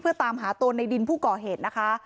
เพื่อตามหาตัวในดินผู้ก่อเหตุนะคะ